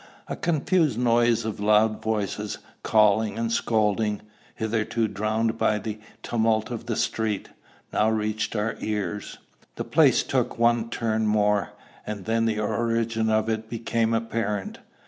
A confused noise of loud voices, calling and scolding, hitherto drowned by the tumult of the street, now reached our ears. The place took one turn more, and then the origin of it became apparent.